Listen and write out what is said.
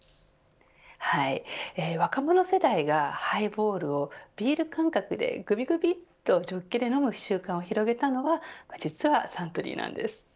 はい、若者世代がハイボールをビール感覚で、ぐびぐびとジョッキで飲む習慣を広げたのは実はサントリーなんです。